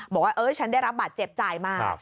บอกว่าฉันได้รับบาดเจ็บจ่ายมา